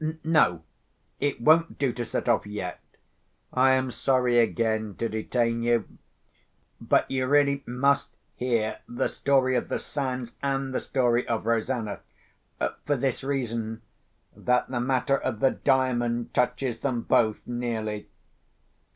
No! it won't do to set off yet. I am sorry again to detain you; but you really must hear the story of the sands, and the story of Rosanna—for this reason, that the matter of the Diamond touches them both nearly.